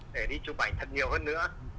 để đi chụp ảnh thật nhiều hơn nữa